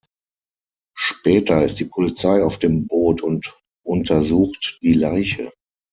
Später ist die Polizei auf dem Boot und untersucht die Leiche.